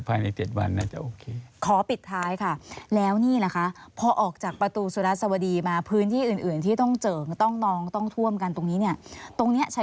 ภายใน๗วานน่าจะโอเค